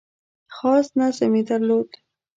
خاص نظم یې درلود .